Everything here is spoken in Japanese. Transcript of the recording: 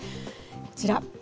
こちら。